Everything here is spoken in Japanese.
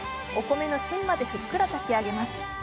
お米の芯までふっくら炊き上げます。